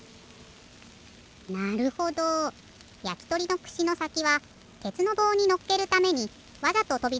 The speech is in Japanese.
なるほどやきとりのくしのさきはてつのぼうにのっけるためにわざととびださせてたんだ。